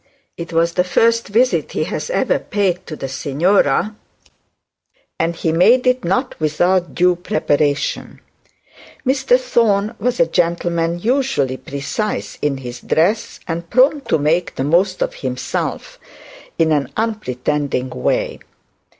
It was the first visit he had ever paid to the signora, and he made it not without due preparation. Mr Thorne was a gentleman usually precise in his dress, and prone to make the most of himself in an unpretending way.